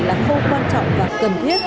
là không quan trọng và cần thiết